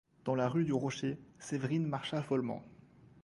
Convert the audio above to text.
Dans la rue du Rocher, Séverine marcha follement.